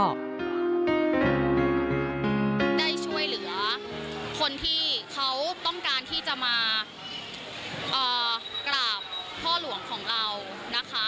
ได้ช่วยเหลือคนที่เขาต้องการที่จะมากราบพ่อหลวงของเรานะคะ